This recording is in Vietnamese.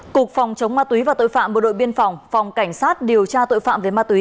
cục phòng chống ma túy và tội phạm bộ đội biên phòng phòng cảnh sát điều tra tội phạm về ma túy